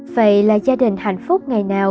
vậy là gia đình hạnh phúc ngày nào